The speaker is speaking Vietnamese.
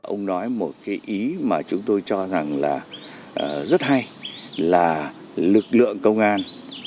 ông nói một cái ý mà chúng tôi cho rằng là rất hay là lực lượng công an